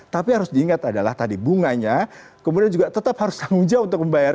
tapi harus diingat adalah tadi bunganya kemudian juga tetap harus tanggung jawab untuk membayar